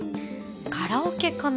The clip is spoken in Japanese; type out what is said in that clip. カラオケかな